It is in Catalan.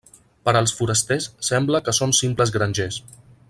Per als forasters, sembla que són simples grangers.